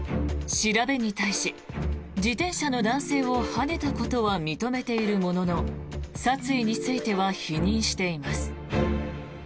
調べに対し、自転車の男性をはねたことは認めているものの殺意については否認しています。